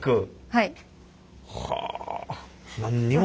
はい。